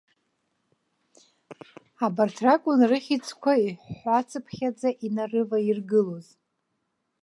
Абарҭ ракәын рыхьӡқәа иҳәацыԥхьаӡа инарываиргылоз.